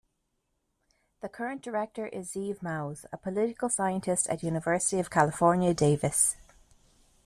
The current director is Zeev Maoz, a political scientist at University of California, Davis.